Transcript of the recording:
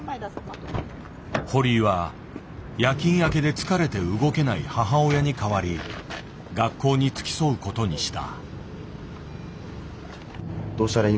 堀井は夜勤明けで疲れて動けない母親に代わり学校に付き添うことにした。